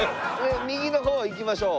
右の方行きましょう。